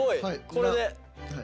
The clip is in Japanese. これで。